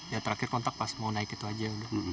ya terakhir kontak pas mau naik itu aja